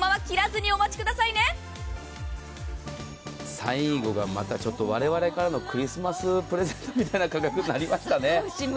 最後がまたちょっとわれわれからのクリスマスプレゼントみたいな価格になりましたね。